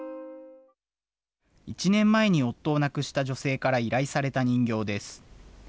１年前に夫を亡くした女性から依頼された人形です。